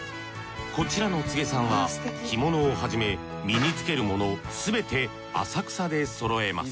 こちらの柘さんは着物をはじめ身につけるものすべて浅草でそろえます